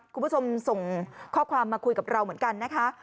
คุณผู้ชมส่งข้อความมาคุยกับเราเหมือนกันนะคะ